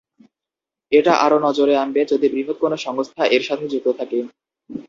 এটা আরো নজরে আনবে যদি বৃহৎ কোন সংস্থা এর সাথে যুক্ত থাকে।